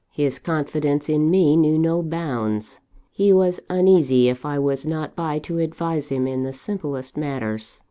"His confidence in me knew no bounds. He was uneasy if I was not by to advise him in the simplest matters.